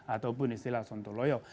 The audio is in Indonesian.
ataupun istilah sontoloyo